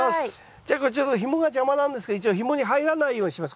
じゃあこれちょっとひもが邪魔なんですけど一応ひもに入らないようにします。